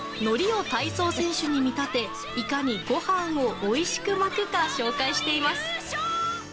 海苔を体操選手に見立ていかに、ご飯をおいしく巻くか紹介しています。